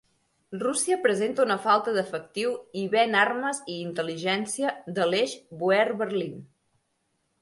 Rússia presenta una falta d'efectiu i ven armes i intel·ligència de l'Eix Bòer-Berlín.